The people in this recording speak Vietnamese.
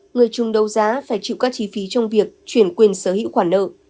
người chung đấu giá phải chịu các chi phí trong việc chuyển quyền sở hữu khoản nợ